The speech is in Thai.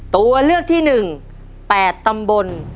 ตัวเลือกที่๑๘ตำบล